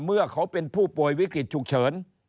เมื่อเขาเป็นผู้ป่วยวิกฤตฉุกเฉิน